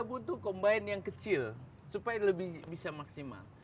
kita butuh combine yang kecil supaya lebih bisa maksimal